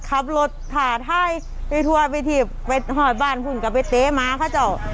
ขับรถถาดให้ไปทัวร์ไปถีบไปหอดบ้านพุ่งกับไปเต๊ม้าข้าเจ้า